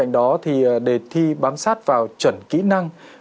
đó thì đề thi bám sát vào chuẩn kỹ năng